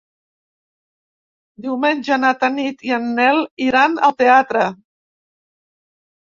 Diumenge na Tanit i en Nel iran al teatre.